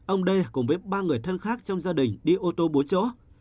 ông đê cùng với ba người thân khác trong gia đình đi ô tô bốn chỗ